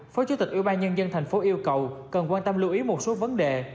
phó chủ tịch ủy ban nhân dân thành phố yêu cầu cần quan tâm lưu ý một số vấn đề